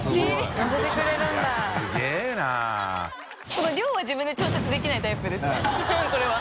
この量は自分で調節できないタイプですねこれは。